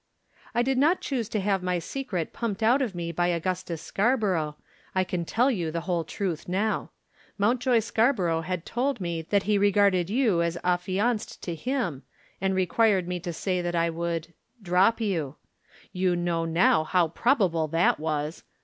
"I did not choose to have my secret pumped out of me by Augustus Scarborough. I can tell you the whole truth now. Mountjoy Scarborough had told me that he regarded you as affianced to him, and required me to say that I would drop you. You know now how probable that was.